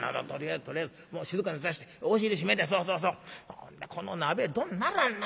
ほんでこの鍋どんならんな